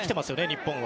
日本は。